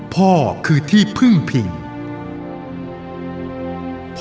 พ่อคือที่พึ่งพิง